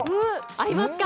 合いますか？